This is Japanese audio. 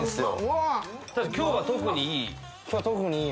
今日は特にいい。